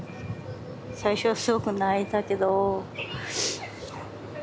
最初はすごく泣いたけどうん。